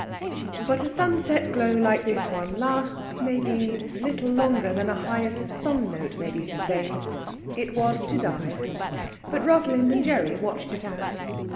But a sunset glow, like this one, lasts, maybe, little longer than a highest song note may be sustained. It was to die. But Rosalind and Gerry watched it out.